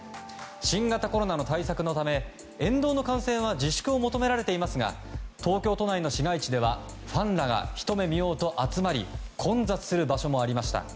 新型コロナの対策のため沿道の観戦は自粛を求められていますが東京都内の市街地ではファンらがひと目見ようと集まり混雑する場所もありました。